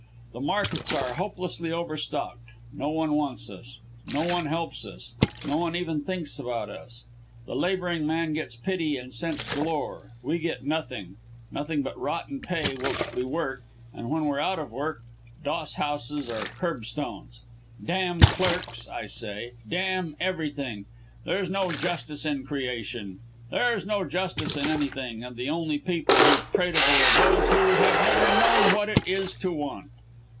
The markets are hopelessly overstocked no one wants us! No one helps us! No one even thinks about us. The labouring man gets pity and cents galore we get nothing! nothing but rotten pay whilst we work, and when we're out of work, dosshouses or kerbstones. D n clerks, I say. D n everything! There's no justice in creation there's no justice in anything and the only people who prate of it are those who have never known what it is to want.